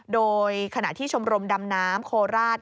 โดยขณะที่ชมรมดำน้ำโคราช